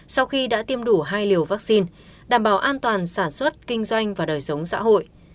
sau khi đã tiêm đủ hai liều vaccine đảm bảo an toàn sản xuất kinh doanh và đời sống xã hội